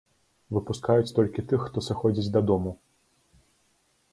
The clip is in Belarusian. Выпускаюць толькі тых, хто сыходзіць дадому.